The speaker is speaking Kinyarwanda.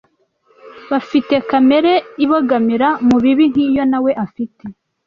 bafite kamere ibogamira mu bibi nk’iyo nawe afite